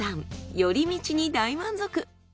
寄り道に大満足。